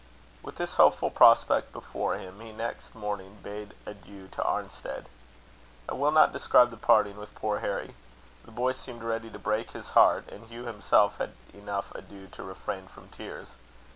With this hopeful prospect before him, he next morning bade adieu to Arnstead. I will not describe the parting with poor Harry. The boy seemed ready to break his heart, and Hugh himself had enough to do to refrain from tears.